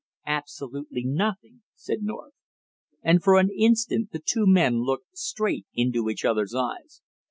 "Absolutely nothing," said North. And for an instant the two men looked straight into each other's eyes.